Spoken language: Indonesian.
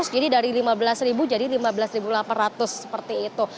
jadi dari lima belas jadi lima belas delapan ratus seperti itu